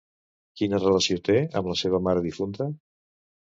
Quina relació té amb la seva mare difunta?